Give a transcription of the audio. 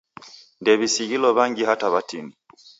Ndew'isighilo w'angi hata w'atini.